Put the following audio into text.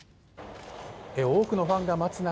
多くのファンが待つ中